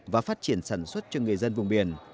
và phát triển sản xuất cho người dân vùng biển